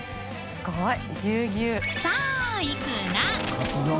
すごい。